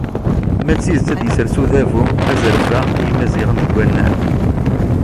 Ma d tidet ad yessers udabu azref-a n Yimaziɣen deg unnar!